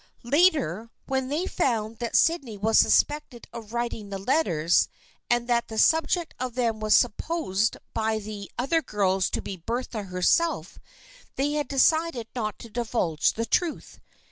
Later, when they found that Sydney was suspected of writing the letters and that the subject of them was supposed by the other girls to be Bertha herself, they had decided not to diyulge the truth.